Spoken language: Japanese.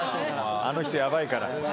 あの人ヤバいから。